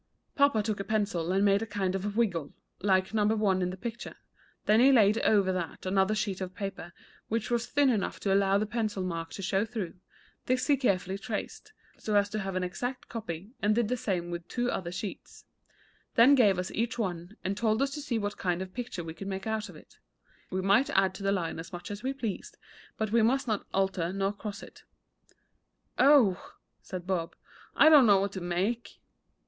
Papa took a pencil, and made a kind of wiggle, like No. 1 in the picture; then he laid over that another sheet of paper, which was thin enough to allow the pencil mark to show through; this he carefully traced, so as to have an exact copy, and did the same with two other sheets; then gave us each one, and told us to see what kind of a picture we could make out of it; we might add to the line as much as we pleased, but we must not alter nor cross it. "Oh," said Bob, "I don't know what to make!"